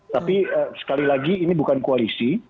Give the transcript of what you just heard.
tapi sekali lagi ini bukan koalisi